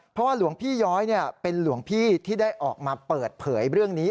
เพราะว่าหลวงพี่ย้อยเป็นหลวงพี่ที่ได้ออกมาเปิดเผยเรื่องนี้